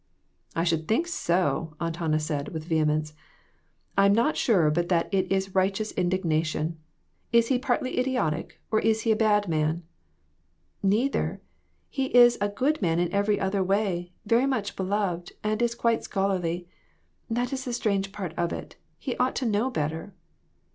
"I should think so!" Aunt Hannah said, with vehemence. "I'm not sure but that is righteous indignation. Is he partly idiotic, or is he a bad man?" "Neither. He is a good man in every other way, very much beloved and is quite scholarly. That is the strange part of it, he ought to know better."